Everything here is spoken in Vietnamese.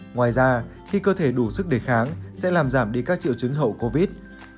ngoài ra khi cơ thể đủ sức đề kháng sẽ làm giảm đi các triệu chứng hậu covid